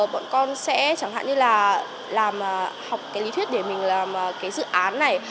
bọn con sẽ chẳng hạn như là làm học cái lý thuyết để mình làm cái dự án này